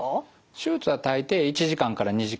手術は大抵１時間から２時間。